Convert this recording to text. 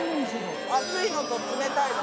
熱いのと冷たいの。